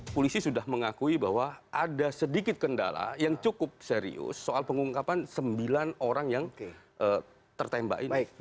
polisi sudah mengakui bahwa ada sedikit kendala yang cukup serius soal pengungkapan sembilan orang yang tertembak ini